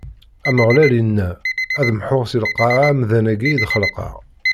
Ameɣlal inna: Ad mḥuɣ si lqaɛa amdan-agi i d-xelqeɣ.